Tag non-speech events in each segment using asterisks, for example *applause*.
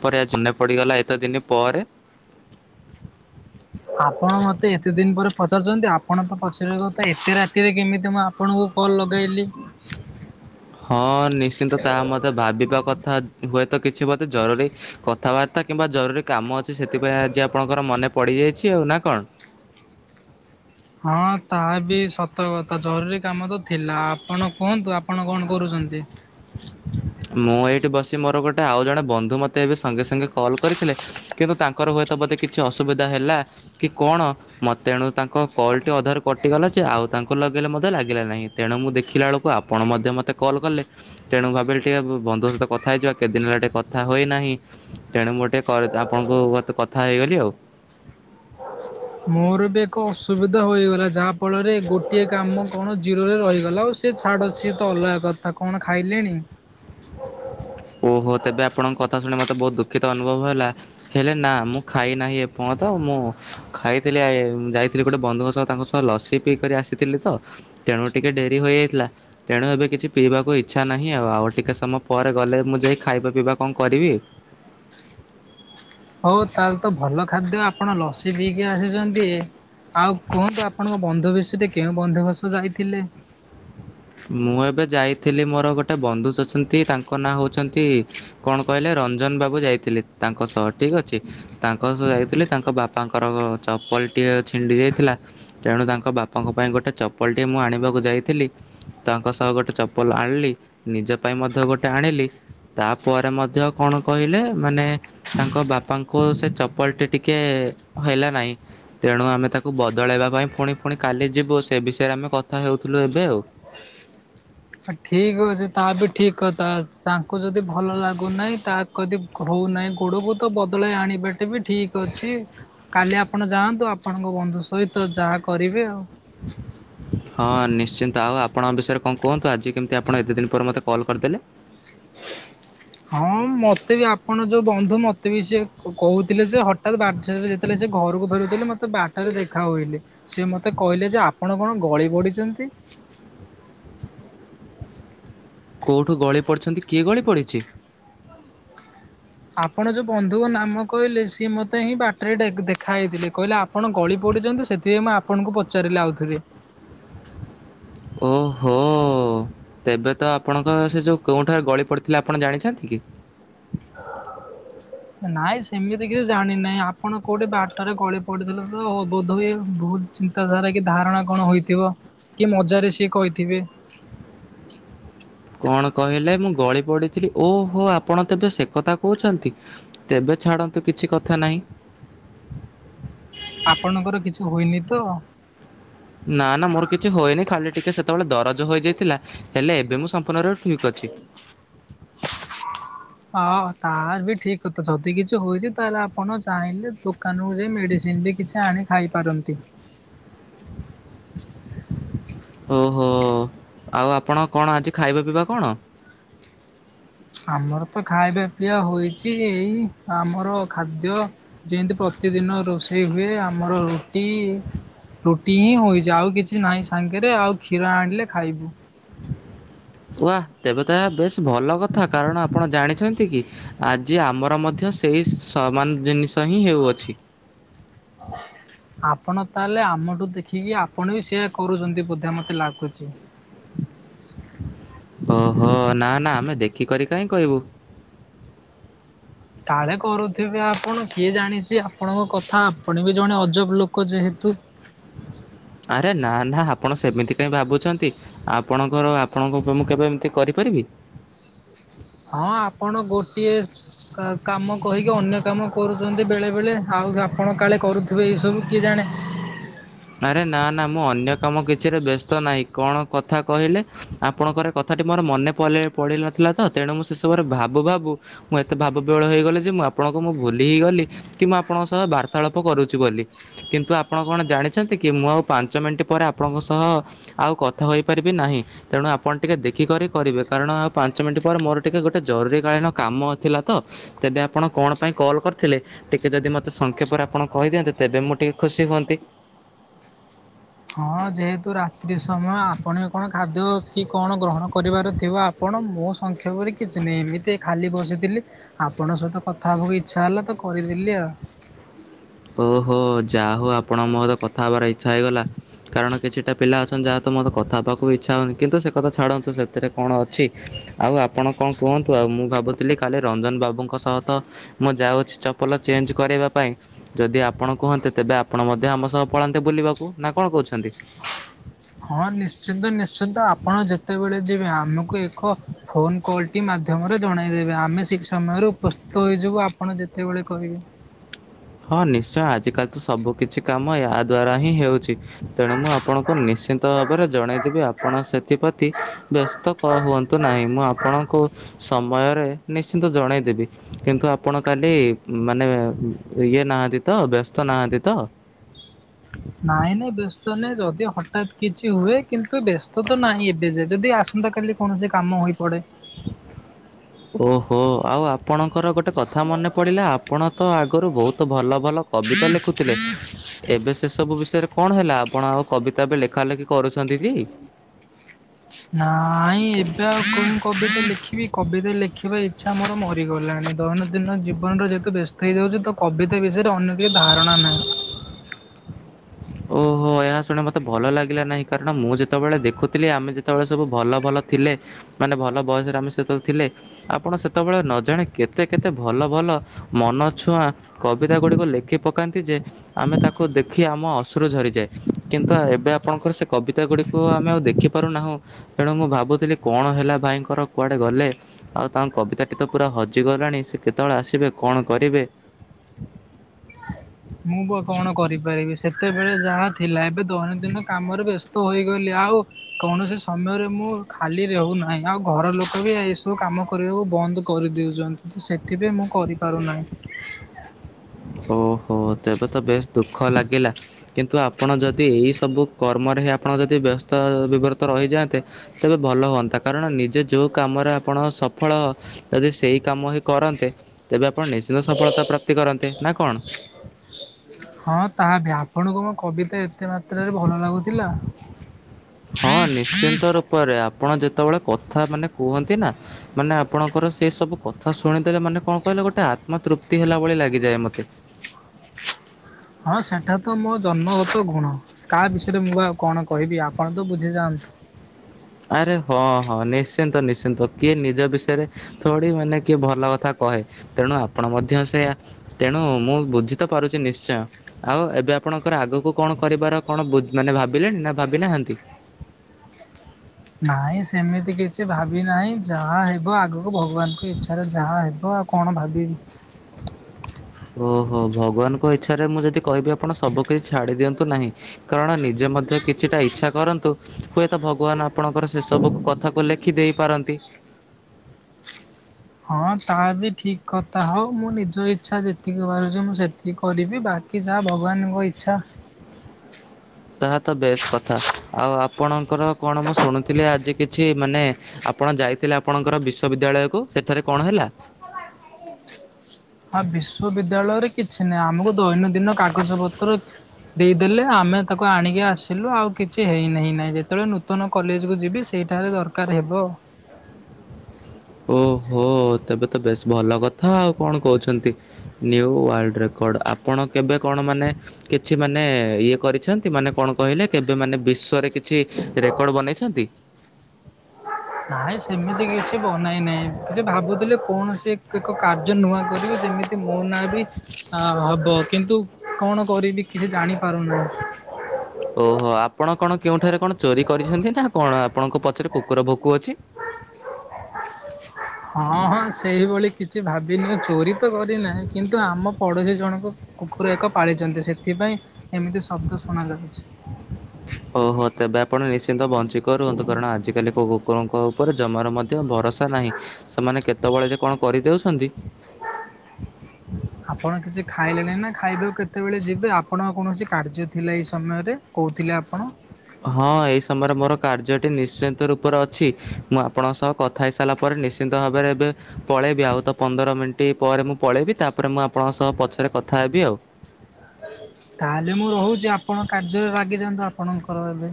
ପରେ ଆଜି ମନେ ପଡ଼ିଗଲା ଏତେ ଦିନ ପରେ। ଆପଣ ମୋତେ ଏତେ ଦିନ ପରେ ପଚାରୁଛନ୍ତି ଆପଣ ତ ପଚାରିବା କଥା ଏତେ ରାତିରେ କେମିତିଁ ଆପଣଙ୍କୁ, କଲ୍ ଲଗାଇଲି। ହଁ ନିଶ୍ଚିନ୍ତ ତାହା ମୋର ଭାବିବା କଥା ହୁଏତ କିଛି ବୋଧେ ଜରୁରୀ କଥାବାର୍ତ୍ତା କଥା କିମ୍ବା ଜରୁରୀ କାମ ଅଛି ସେଥିପାଇଁ ଆଜି ଆପଣଙ୍କର ମନେ ପଡିଯାଇଛି ଆଉ ନା କଣ? ହଁ ତାହା ବି ସତକଥା ଜରୁରୀ କାମ ତ ଥିଲା! ଆପଣ କୁହନ୍ତୁ ଆପଣ କଣ କରୁଛନ୍ତି? ମୁଁ ଏଇଠି ବସି ମୋର ଗୋଟେ ଆଉ ଜଣେ ବନ୍ଧୁ ମୋତେ ଏବେ ସଙ୍ଗେ ସଙ୍ଗେ କଲ୍ କରିଥିଲେ, କିନ୍ତୁ ତାଙ୍କର ହୁଏତ ବୋଧେ କିଛି ଅସୁବିଧା ହେଲା କି କଣ? ମତେ ଏଣୁ ତାଙ୍କ କଲ୍ ଟି ଅଧାରୁ କଟିଗଲା ଯେ ଆଉ ତାଙ୍କୁ ଲଗେଇଲେ ମଧ୍ୟ ଲାଗିଲା ନାହିଁ। ତେଣୁ ମୁଁ ଦେଖିଲା ବେଳକୁ ଆପଣ ମଧ୍ୟ ମୋତେ କଲ୍ କଲେ, ତେଣୁ ଭାବିଲି ଟିକେ ବନ୍ଧୁ ସହିତ କଥା ହେଇଯିବା କେତଦିନ ହେଲା ଟିକେ କଥା ହୋଇ ନାହିଁ। ତେଣୁ ମୁଁ ଟିକେ ଆପଣଙ୍କ ସହିତ କଥା ହେଇଗଲି ଆଉ। ମୋର ବି ଏକ ଅସୁବିଧା ହୋଇଗଲା ଯାହା ଫଳରେ ଗୋଟିଏ କାମ କଣ ଜିରୋରେ ରହିଗଲା ଆଉ। ସିଏ ଛାଡ଼ ସିଏ ତ ଅଲଗା କଥା କଣ ଖାଇଲେଣି? ଓହୋ ତେବେ ଆପଣଙ୍କ କଥା ଶୁଣି ମତେ ବହୁତ ଦୁଃଖିତ ଅନୁଭବ ହେଲା। ହେଲେ ନା ମୁଁ ଖାଇ ନାହିଁ ଏପର୍ଯ୍ୟନ୍ତ ମୁଁ ଖାଇଥିଲି ଯାଇଥିଲି ଗୋଟେ ବନ୍ଧୁଙ୍କ ସହ ତାଙ୍କ ସହ ଲସି ପିଇକରି ଆସିଥିଲି ତ, ତେଣୁ ଟିକେ ଡେରି ହୋଇଯାଇଥିଲା। ତେଣୁ ଏବେ କିଛି ପିଇବାକୁ ଇଚ୍ଛା ନାହିଁ ଆଉ ଆଉ ଟିକେ ସମୟ ପରେ ଗଲେ। ମୁଁ ଯାଇ ଖାଇବା ପିଇବା କଣ କରିବି? ହଉ ତାହେଲେ ତ ଭଲ ଖାଦ୍ୟ ଆପଣ ଲସି ପିଇକି ଆସିଛନ୍ତି। ଆଉ କୁହନ୍ତୁ ଆପଣଙ୍କ ବନ୍ଧୁ ବିଷୟରେ କେଉଁ ବନ୍ଧୁ ସହ ଯାଇଥିଲେ? ମୁଁ ଏବେ ଯାଇଥିଲି ମୋର ଗୋଟେ ବନ୍ଧୁ ଅଛନ୍ତି, ତାଙ୍କ ନାଁ ହଉଛନ୍ତି କଣ କହିଲେ? ରଞ୍ଜନ ବାବୁ ଯାଇଥିଲେ ତାଙ୍କ ସହ ଠିକ ଅଛି। ତାଙ୍କ ସହ ଯାଇଥିଲି ତାଙ୍କ ବାପାଙ୍କର ଚପଲଟିଏ ଛିଣ୍ଡି ଯାଇଥିଲା। ତେଣୁ ତାଙ୍କ ବାପାଙ୍କ ପାଇଁ ଗୋଟେ ଚପଲଟିଏ ମୁଁ ଆଣିବାକୁ ଯାଇଥିଲି। ତାଙ୍କ ସହ ଗୋଟେ ଚପଲ ଆଣିଲି ନିଜ ପାଇଁ ମଧ୍ୟ ଗୋଟେ ଆଣିଲି। ତାପରେ ମଧ୍ୟ କଣ କହିଲେ ମାନେ? ତାଙ୍କ ବାପାଙ୍କୁ ସେ ଚପଲଟି ଟିକେ ହେଲା ନାହିଁ। ତେଣୁ ଆମେ ତାକୁ ବଦଳାଇବା ପାଇଁ ପୁଣି ପୁଣି କାଲି ଯିବୁ ସେ ବିଷୟରେ ଆମେ କଥା ହେଉଥିଲୁ ଏବେ ଆଉ। ଠିକ୍ ଅଛି ତା ବି ଠିକ କଥା ତାଙ୍କୁ ଯଦି ଭଲ ଲାଗୁନାହିଁ ତା କଦି ହଉନାହିଁ ଗୋଡ଼କୁ ତ ବଦଳାଇ ଆଣିବାଟେ ବି ଠିକ୍ ଅଛି। କାଲି ଆପଣ ଯାଆନ୍ତୁ ଆପଣଙ୍କ ବନ୍ଧୁ ସହିତ ଯାହା କରିବେ ଆଉ। ହଁ ନିଶ୍ଚିନ୍ତ ଆଉ ଆପଣଙ୍କ ବିଷୟରେ କଣ କୁହନ୍ତୁ? ଆଜି କେମିତି ଆପଣ ଏତେ ଦିନ ପରେ ମୋତେ କଲ୍ କରିଦେଲେ।। ହଁ ମୋତେ ବି ଆପଣ ଯେଉଁ ବନ୍ଧୁ ମୋତେ ବି ସେି କହୁଥିଲେ। ଯେ ହଠାତ୍ ବାଟରେ ଯେତେଳେ ସେ ଘରକୁ ଫେରୁଥିଲେ ଥିଲେ ମୋ ତେ ବାଟରେ ଦେଖା ହୋଇଲି ସେ ମତେ କହିଲେ ଯେ ଆପଣ କଣ ଗଳି ପଡ଼ିଛନ୍ତି? କୋଉଠୁ ଗଳି ପଡ଼ିଛନ୍ତି କିଏ ଗଳି ପଡ଼ିଛି? ଆପଣ ଯୋଉ ବନ୍ଧୁଙ୍କ ନାମ କହିଲେ ସିଏ ମତେ ହିଁ ବାଟରେ ଦେଖାଇଥିଲେ। କହିଲେ ଆପଣ ଗଳି ପଡ଼ିଚ ନ୍ତି। ସେଥିପାଇଁ ମୁଁ ଆପଣଙ୍କୁ ପଚାରିଲି ଆଉଥିରେ। ଓହୋ! ଓହ! ତେବେ ତ ଆପଣଙ୍କର ସେ ଯୋଉ କୋଉଠାରେ ଗଳି ପଡ଼ିଥିଲା ଆପଣ ଜାଣିଛନ୍ତି କି? ନାଇଁ ସେମିତି କିଛି ଜାଣିିନହିଁ। ଆପଣ କୋଉଠି ବାଟରେ ଗଳି ପଡ଼ିଥିଲେ ତ ବୋଧ ହ ବହୁତ ଚିନ୍ତାଧାରା କି ଧାରଣା କଣ ହୋଇଥିବ? କି ମଜାରେ ସିଏ କହିଥିବେ। କଣ କହିଲେ ମୁଁ ଗଳି ପଡିଥିଲି? ଓହୋ! ଆପଣ ତବେ ସେ କଥା କହୁଛନ୍ତି। ତେବେ ଛାଡ଼ନ୍ତୁ କିଛି କଥା ନାହିଁ। ଆପଣଙ୍କର କିଛି ହୁଏନି ତ। ନା ନା, ମୋର କିଛି ହଏନି ଖାଲି ଟିକେ ସେତେବେଳେ ଦରଜ ହୋଇଯାଇଥିଲା। ହେଲେ ଏବେ ମୁଁ ସମ୍ପୂର୍ଣ୍ଣ ରରେ ଠିକ୍ ଅଛି। *unintelligible* ହ ତାର ବି ଠିକ କଥା ଯଦି କିଛି ହଛି ତାହେଲେ ଆପଣ ଚାହିଁଲେ ଦୋକାନୁ ଯିଵି ମେଡ଼ିସିନ ବି କିଛି ଆଣି ଖାଇପାରନ୍ତି। ଓହୋ! ଆଉ ଆପଣ କଣ ଆଜି ଖାଇବା ପିଇବା କଣ? ଆମର ତ ଖାଇବା ପିଇଆ ହେଇଛି ଏଇ ଆମର ଖାଦ୍ୟ। ଯେମିତି ପ୍ରତିଦିନ ରୋଷେଇ ହୁଏ। ଆମର ରୁଟି ରୁଟି ହିଁ ହୋଇଛି ଆଉ କିଛି ନାହିଁ ସାଙ୍ଗରେ ଆଉ କ୍ଷୀର ଆଣିଲେ ଖାଇବୁ। ଓହ! ତେବେ ତ ଏହା ବେଶ୍ ଭଲ କଥା କାରଣ ଆପଣ ଜାଣିଛନ୍ତି କି ଆଜି ଆମର ମଧ୍ୟ ସେଇ ସମାନ ଜିନିଷ ହିଁ ହେଉଅଛି। ଆପଣ ତାହେଲେ ଆମଠୁ ଦେଖିକି ଆପଣ ବି ସେୟ କରୁଛନ୍ତି ବୋଧେ ମତେ ଲାଗୁଛି। ଓହୋ! ନା ନା ଆମେ ଦେଖିକରି କାହିଁ କହିବୁ? କାଳେ କରୁଥିବେ, ଆପଣ କିଏ ଜାଣିଛି ଆପଣଙ୍କ କଥା ଆପଣ ବି ଜଣେ ଅଜବ ଲୋକ ଯେହେତୁ। ଆରେ ନା ନା ଆପଣ ସେମିତି କାଇଁ ଭାବୁଛନ୍ତି ଆ ପଣଙ୍କର ଆପଣଙ୍କ ଉପରେ ମୁଁ କେବେ ଏମିତି କରିପାରିବି? ହଁ, ଆପଣ ଗୋଟିଏ କାମ କହିକି ଅନ୍ୟ କାମ କରୁଛନ୍ତି ବେଳେ ବେଳେ ଆଉ ଆପଣ କାଳେ କରୁଥିବେ ଏଇସବୁ କିଏ ଜାଣେ? ଆରେ ନା ନା ମୁଁ ଅନ୍ୟ କାମ କିଛିରେ ବ୍ୟସ୍ତ ନାହିଁ କଣ କଥା କହିଲେ? ଆପଣଙ୍କର କଥାଟି ମୋର ମନେ ପଡ଼ିନଥିଲା ତ ତେଣୁ ମୁଁ ସେସବୁରେ ଭାବୁ ଭାବୁ ମୁଁ ଏତେ ଭାବ ବିଳ ହେଇଗଲି ଯେ ମୁଁ ଆପଣଙ୍କୁ ମୁଁ ଭୁଲି ହେଇଗଲି। କି ମୁଁ ଆପଣଙ୍କ ସହ ବାର୍ତ୍ତାଳାପ କରୁଛି ବୋଲି କିନ୍ତୁ ଆପଣ କଣ ଜାଣି ଅଛନ୍ତି କି? ମୁଁ ଆଉ ପାଞ୍ଚ ମିନିଟ୍ ପରେ ଆପଣଙ୍କ ସହ ଆଉ କଥା ହୋଇପାରିବି ନାହିଁ। ତେଣୁ ଆପଣ ଟିକେ ଦେଖିକରି କରିବେ କାରଣ ଆଉ ପାଞ୍ଚ ମିନିଟ୍ ପରେ ମୋର ଟିକେ ଗୋଟେ ଜରୁରୀ କାଳୀନ କାମ ଥିଲା ତ। ତେବେ ଆପଣ କଣ ପାଇଁ କଲ୍ କରିଥିଲେ। ଟିକେ ଯଦି ମୋତେ ସଂକ୍ଷେପରେ ଆପଣ କହିଦିଅନ୍ତେ ତେବେ ମୁଁ ଟିକେ ଖୁସି ହୁଅନ୍ତି। ହଁ ଯେହେତୁ ରାତ୍ରି ସମୟ ଆପଣ କଣ ଖାଦ୍ୟ କି କଣ ଗ୍ରହଣ କରିବାର ଥିବ ଆପଣ ମୋ ସଂକ୍ଷେପରେ କିଛି ନାହିଁ ଏମିତି ଖାଲି ବସିଥିଲି ଆପଣଙ୍କ ସହିତ କଥା ହେବାକୁ ଇଚ୍ଛା ହେଲା ତ କରିଦେଲି ଆଉ ଓହୋ ଯା ହଉ ଆପଣ ମର କଥା ହବାର ଇଚ୍ଛା ହେଇଗଲା। କାରଣ କିଛିଟା ପିଲା ଅଛନ୍ତି ଯାହା ତ ମୋର କଥା ହେବାକୁ ବି ଇଚ୍ଛା ହେଉନି କିନ୍ତୁ ସେ କଥା ଛାଡ଼ନ୍ତୁ ସେଥିରେ କଣ ଅଛି। ଆଉ ଆପଣ କଣ କୁହନ୍ତୁ ଆଉ ମୁଁ ଭାବୁଥିଲି ଖାଲି ରଞ୍ଜନ ବାବୁଙ୍କ ସହ ତ ମୁଁ ଯାଉଛି ଚପଲ ଚେଞ୍ଜ କରିବା ପାଇଁ। ଯଦି ଆପଣ କୁହନ୍ତେ ତେବେ ଆପଣ ମଧ୍ୟ ଆମ ସହ ପଳାନ୍ତେ ବୁଲିବାକୁ ନା କଣ କହୁଛନ୍ତି। ହଁ ନିଶ୍ଚିନ୍ତ ନିଶ୍ଚିନ୍ତ ଆପଣ ଯେତେବେଳେ ଯିବେ ଆମକୁ ଏକ ଫୋନ୍ କଲ୍ ଟେ ମାଧ୍ୟମରେ ଜଣାଇଦେବେ ଆମେ ଠିକ୍ ସମୟରେ ଉପସ୍ଥିତ ହେଇଯିବୁ ଆପଣ ଯେତେବେଳେ କହିବେ। ହଁ ନିଶ୍ଚୟ ଆଜିକାଲି ତ ସବୁ କିିଛି କାମ ଏହା ଦ୍ୱାରା ହିଁ ହେଉଛି। ତେଣୁ ମୁଁ ଆପଣଙ୍କୁ ନିଶ୍ଚିନ୍ତ ଭାବରେ ଜଣେଇଦେବି ଆପଣ ସେଥିପ୍ରତି ବ୍ୟସ୍ତ କର ହୁଅନ୍ତୁ ନାହିଁ ମୁଁ ଆପଣଙ୍କୁ ସମୟରେ ନିଶ୍ଚିନ୍ତ ଜଣେଇଦେବି କିନ୍ତୁ ଆପଣ କାଲି ମାନେ ଇଏ ନାହାନ୍ତି ତ ବ୍ୟସ୍ତ ନାହାନ୍ତି ତ। ନାଇଁ ନାଇଁ ବ୍ୟସ୍ତ ନାହିଁ ଯଦି ହଠାତ୍ କିଛି ହୁଏ କିନ୍ତୁ ବ୍ୟସ୍ତ ତ ନାହିଁ ଏବେ ଯେ ଯଦି ଆସନ୍ତା କାଲି କୌଣସି କାମ ହୋଇପଡ଼େ। ଓହୋ ଆଉ ଆପଣଙ୍କର ଗୋଟେ କଥା ମନେ ପଡ଼ିଲା ଆପଣ ତ ଆଗରୁ ବହୁତ ଭଲ ଭଲ କବିତା ଲେଖୁଥିଲେ। ଏବେ ସେସବୁ ବିଷୟରେ କଣ ହେଲା ଆପଣ ଆଉ କବିତା ଏବେ ଲେଖା ଲେଖି କରୁଛନ୍ତି କି। ନାଇଁ ଏବେ ଆଉ କଉ କବିତା ଲେଖିବି କବିତା ଲେଖିବାର ଇଚ୍ଛା ମୋର ମରିଗଲାଣି। ଦୈନନ୍ଦିନ ଜୀବନରେ ଯେହେତୁ ବ୍ୟସ୍ତ ହେଇଯାଉଛି ତ କବିତା ବିଷୟରେ ଅନ୍ୟ କିଛି ଧାରଣା ନାହିଁ। ଓହୋ ଏହା ଶୁଣି ମତେ ଭଲ ଲାଗିଲା ନାହିଁ କାରଣ ମୁଁ ଯେତେବେଳେ ଦେଖୁଥିଲି ଆମେ ଯେତେ ସେତେବେଳେ ସବୁ ଭଲ ଭଲ ଥିଲେ ମାନେ ଭଲ ବୟସରେ ଆମେ ସେତେବେଳେ ଥିଲେ। ଆପଣ ସେତେବେଳେ ନଜାଣି କେତେ କେତେ ଭଲ ଭଲ ମନଛୁଆଁ କବିତା ଗୁଡ଼ିିକ ଲେଖି ପକାନ୍ତି ଯେ ଆମେ ତାକୁ ଦେଖି ଆମ ଅଶ୍ରୁ ଝରିଯାଏ। କିନ୍ତୁ ଏବେ ଆପଣଙ୍କର ସେ କବିତା ଗୁଡ଼ିକୁ ଆମେ ଆଉ ଦେଖିପାରୁନାହୁଁ। ତେଣୁ ମୁଁ ଭାବୁଥିଲି କଣ ହେଲା ଭାଇଙ୍କର କୁଆଡେ ଗଲେ। ଆଉ ତାଙ୍କ କବିତାଟି ତ ପୁରା ହଜିଗଲାଣି ସେ କେତେବେଳେ ଆସିବେ କଣ କରିବେ। ମୁଁ ବା କଣ କରିପାରିବି ସେତେବେଳେ ଯାହା ଥିଲା ଏବେ ଦୈନନ୍ଦିନ କାମରେ ବ୍ୟସ୍ତ ହୋଇଗଲି ଆଉ କୌଣସି ସମୟରେ ମୁଁ ଖାଲି ରହୁନାହିଁ ଆଉ ଘର ଲୋକ ବି ଏଇସବୁ କାମ କରିବାକୁ ବନ୍ଦ କରିଦେଉଛନ୍ତି ତ ସେଥିପାଇଁ ମୁଁ କରିପାରୁନାହିଁ। ଓହୋ ତେବେ ତ ବେଶ ଦୁଃଖ ଲାଗିଲା। କିନ୍ତୁ ଆପଣ ଯଦି ଏଇସବୁ କର୍ମରେ ହିଁ ଆପଣ ଯଦି ବ୍ୟସ୍ତ ବିବ୍ରତ ରହିଯାଆନ୍ତେ ତେବେ ଭଲ ହୁଅନ୍ତା କାରଣ ନିଜେ ଯୋଉ କାମରେ ଆପଣ ସଫଳ ଯଦି ସେଇ କାମ ହିଁ କରନ୍ତେ ତେବେ ଆପଣ ନିଶ୍ଚିନ୍ତ ସଫଳତା ପ୍ରାପ୍ତି କରନ୍ତେ ନା କଣ। ହଁ ତାହା ବି ଆପଣଙ୍କୁ ମୋ କବିତା ଏତେ ମାତ୍ରାରେ ଭଲ ଲାଗୁଥିଲା ହଁ ନିଶ୍ଚିନ୍ତ ରୂପରେ ଆପଣ ଯେତେବେଳେ କଥା ମାନେ କୁହନ୍ତି ନା ମାନେ ଆପଣଙ୍କର ସେ ସବୁ କଥା ଶୁଣିଦେଲେ ମାନେ କଣ କହିଲେ ଗୋଟେ ଆତ୍ମା ତୃପ୍ତି ହେଲା ଭଳି ଲାଗିଯାଏ ମତେ। ହଁ ସେଇଟା ତ ମୋ ଜନ୍ମଗତ ଗୁଣ କାହା ବିଷୟରେ ମୁଁ ଆଉ କଣ କହିବି ଆପଣ ତ ବୁଝିଯାଆନ୍ତୁ। ଆରେ ହଁ ହଁ ନିଶ୍ଚିନ୍ତ ନିଶ୍ଚିନ୍ତ କିଏ ନିଜ ବିଷୟରେ ଥଡି ମାନେ କିଏ ଭଲ କଥା କହେ ତେଣୁ ଆପଣ ମଧ୍ୟ ସେଇଆ। ତେଣୁ ମୁଁ ବୁଝି ତ ପାରୁଛି ନିଶ୍ଚୟ!। ଆଉ ଏବେ ଆପଣଙ୍କର ଆଗକୁ କଣ କରିବାର କଣ ମାନେ ଭାବିଲେଣି ନା ଭାବି ନାହାନ୍ତି। ନାଇଁ ସେମିତି କିଛି ଭାବି ନାହିଁ ଯାହା ହେବ ଆଗକୁ ଭଗବାନଙ୍କ ଇଛା ରେ ଯାହା ହେବ। କଣ ଭାବିବି। ଓହୋ ଭଗବାନଙ୍କ ଇଚ୍ଛାରେ ମୁଁ ଯଦି କହିବି ଆପଣ ସବୁ କିଛି ଛାଡି ଦିଅନ୍ତୁ ନାହିଁ କାରଣ ନିଜେ ମଧ୍ୟ କିଛିଟା ଇଚ୍ଛା କରନ୍ତୁ ହୁଏତ ଭଗବାନ ଆପଣଙ୍କର ସେ ସବୁକୁ କଥା କୁ ଓ ଲେଖି ଦେଇପାରନ୍ତି। ହଁ ତା ବି ଠିକ୍ କଥା ହଉ ମୁଁ ନିଜ ଇଚ୍ଛା ଯେତିକି ବାହାରୁଛି ମୁଁ ସେତିକି କରିବି ବା କି ଯାହା ଭଗବାନଙ୍କ ଇଚ୍ଛା ତାହା ତ ବେଶ କଥା ଆଉ ଆପଣଙ୍କର କଣ ମୁଁ ଶୁଣୁଥିଲି ଆଜି କିଛି ମାନେ ଆପଣ ଯାଇଥିଲେ ଆପଣଙ୍କର ବିଶ୍୍ୱବିଦ୍ୟାଳୟକୁ ସେଠାରେ କଣ ହେଲା। ହଁ ବିଶ୍ୱବିଦ୍ୟାଳୟରେ କିଛି ନାହିଁ ଆମକୁ ଦୈନନ୍ଦିନ କାଗଜ ପତ୍ର ଦେଇଦେଲେ ଆମେ ତାକୁ ଆଣିକି ଆସିଲୁ ଆଉ କିଛି ହେଇନହିଁ ନାହିଁ ଯେତେବେଳେ ନୂତନ କଲେଜକୁ ଯିବି ସେଇଠାରେ ଦରକାର ଦରକାର ହେବ ଓହୋ ତେବେ ତ ବେଶ ଭଲ କଥା ଆଉ କଣ କହୁଛନ୍ତି ନି ୱାର୍ଡ ରେକର୍ଡ ଆପଣ କେବେ କଣ ମାନେ କିଛି ମାନେ ଇଏ କରିଛନ୍ତି ମାନେ କଣ କହିଲେ କେବେ ମାନେ ବିଶ୍ଵରେ କିଛି ରେକର୍ଡ ବନେଇଛନ୍ତି ଭାଇ ସେମିତି କିଛି ବନାଇନାହିଁ କିଛି ଭାବୁଥିଲି କୌଣସି ଏକ କାର୍ଯ୍ୟ ନୂଆ କରିବି ସେମିତି ମୋ ନାଁ ବି ହବ କିନ୍ତୁ କଣ କରିବି କିଛି ଜାଣି ପାରୁନାହୁଁ ଓହୋ ଆପଣ କଣ କେଉଁଠାରେ କଣ ଚୋରି କରିଛନ୍ତି ନା କଣ ଆପଣଙ୍କ ପଛରେ କୁକୁର ଭୋକୁ ଅଛି ହଁ ହଁ ସେଇଭଳି କିଛି ଭାବିନି ଚୋରି ତ କରିନାହିଁ କିନ୍ତୁ ଆମ ପଡ଼ୋଶୀ ଜଣଙ୍କ କୁକୁର ଏକ ପାଳିଛନ୍ତି ସେଥିପାଇଁ ଏମିତି ଶବ୍ଦ ଶୁଣା ଯାଉଛି ଓହୋ ତେବେ ଆପଣ ନିଶ୍ଚିନ୍ତ ବଞ୍ଚି କରଅନ୍ତୁ କାରଣ ଆଜିକାଲି କୋଉ କୁକୁରଙ୍କ ଉପରେ ଜମାର ମଧ୍ୟ ଭରସା ନାହିଁ ସେମାନେ କେତେବେଳେ ଯେ କଣ କରିଦଉଛନ୍ତି ଆପଣ କିଛି ଖାଇଲେନି ନା ଖାଇବାକୁ କେତେବେଳେ ଯିବେ ଆପଣଙ୍କ କୌଣସି କାର୍ଯ୍ୟ ଥିଲା ଏଇ ସମୟରେ କହୁଥିଲେ ଆପଣ ହଁ ଏହିଇ ସମୟରେ ମୋର କାର୍ଯ୍ୟଟି ନିଶ୍ଚିନ୍ତ ରୂପରେ ଅଛି ମୁଁ ଆପଣଙ୍କ ସହ କଥା ହେଇସାରିଲା ପରେ ନିଶ୍ଚିନ୍ତ ଭାବରେ ଏବେ ପଳାଇବି ଆଉ ତ ପନ୍ଦର ମିନିଟ୍ ପରେ ମୁଁ ପଳେଇବି ତା ପ ତାପରେ ମୁଁ ଆପଣଙ୍କ ସହ ପଛରେ କଥା ହେବି ଆଉ ତାହେଲେ ମୁଁ ରହୁଛି ଆପଣ କାର୍ଯ୍ୟରେ ଲାଗିଯାଆନ୍ତୁ ଆପଣଙ୍କର ଏବେ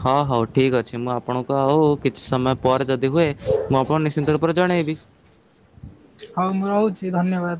ହଁ ହଉ ଠିକ୍ ଅଛି ମୁଁ ଆପଣଙ୍କୁ ଆଉ କିଛି ସମୟ ପରେ ଯଦି ହୁଏ ମୁଁ ଆପଣ ନିଶ୍ଚିନ୍ତ ରୂପରେ ଜଣେଇବି ହଉ ମୁଁ ରହୁଛି ଧନ୍ୟବାଦ